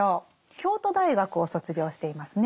京都大学を卒業していますね。